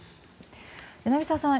柳澤さん